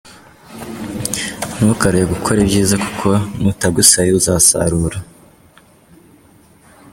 Ntukaruhe gukora ibyiza kuko nutagwa isari uzasarura.